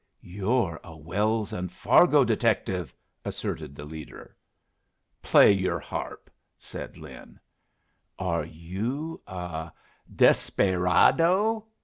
"You're a Wells & Fargo detective," asserted the leader. "Play your harp," said Lin. "Are you a a desperaydo?"